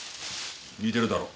似てるだろう？